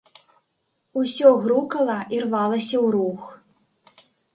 Усё грукала і рвалася ў рух.